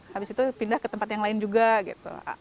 habis itu pindah ke tempat yang lain juga gitu